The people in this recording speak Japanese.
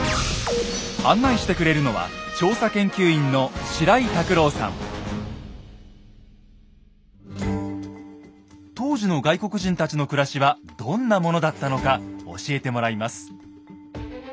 案内してくれるのは当時の外国人たちの暮らしはどんなものだったのか教えてもらいます。